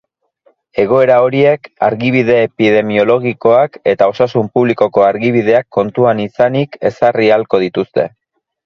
Egoera horiek argibide epidemiologikoak eta osasun publikoko argibideak kontuan izanik ezarri ahalko dituzte.